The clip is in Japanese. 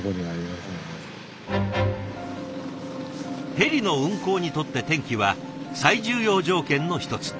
ヘリの運航にとって天気は最重要条件の一つ。